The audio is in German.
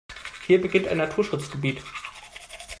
Hier beginnt ein Naturschutzgebiet.